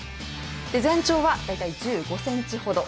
全長は大体１５ｃｍほど。